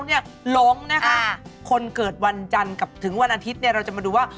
หลงนะคะคนเกิดวันจันทร์กับถึงวันอาทิตย์เนี่ยเราจะมาดูว่า